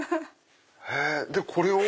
でこれを？